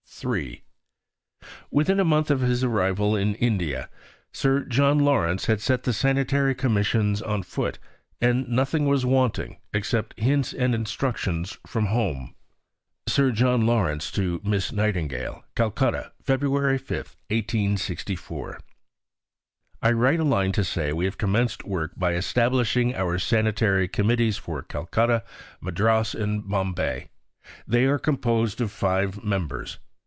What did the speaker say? III Within a month of his arrival in India, Sir John Lawrence had set the Sanitary Commissions on foot, and nothing was wanting except hints and instructions from home: (Sir John Lawrence to Miss Nightingale.) CALCUTTA, Feb. 5 . I write a line to say that we have commenced work by establishing our Sanitary Committees for Calcutta, Madras, and Bombay. They are composed of five members.